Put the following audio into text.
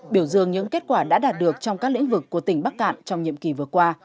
biểu dương những kết quả đã đạt được trong các lĩnh vực của tỉnh bắc cạn trong nhiệm kỳ vừa qua